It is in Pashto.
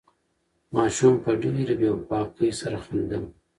ماشوم په ډېرې بې باکۍ سره خندل.